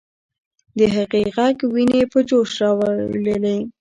د هغې ږغ ويني په جوش راوړلې.